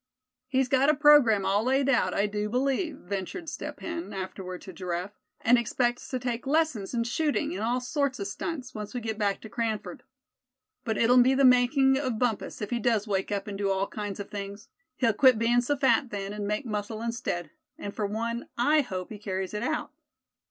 "He's got a programme all laid out, I do believe," ventured Step Hen, afterward to Giraffe; "and expects to take lessons in shooting, and all sorts of stunts, once we get back to Cranford. But it'll be the making of Bumpus if he does wake up and do all kinds of things. He'll quit bein' so fat then, and make muscle instead. And for one, I hope he carries it out."